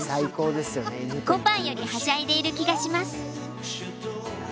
こぱんよりはしゃいでいる気がします。